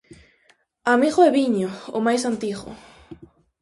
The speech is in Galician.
Amigo e viño, o máis antigo.